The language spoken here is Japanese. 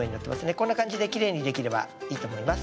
こんな感じできれいにできればいいと思います。